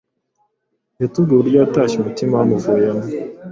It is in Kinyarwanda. yatubwiye uburyo yatashye umutima wamuvuyemo